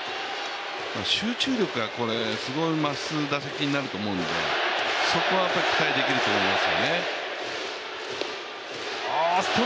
集中力がすごく増す打席になると思うのでそこはやっぱり期待できると思いますね。